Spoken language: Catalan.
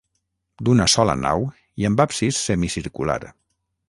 D'una sola nau i amb absis semicircular.